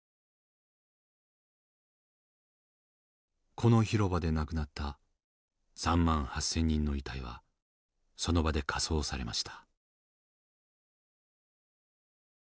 この広場で亡くなった３万８，０００人の遺体はその場で火葬されました。